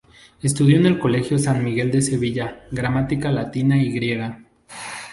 Estudió en el colegio de San Miguel de Sevilla gramática latina y griega.